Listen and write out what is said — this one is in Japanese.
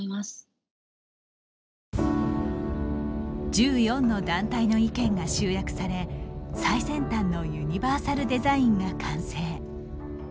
１４の団体の意見が集約され最先端のユニバーサルデザインが完成。